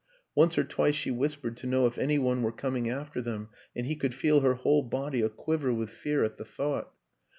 Once or twice she whispered to know if any one were coming after them, and he could feel her whole body a quiver with fear at the thought.